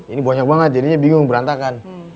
ini banyak banget jadinya bingung berantakan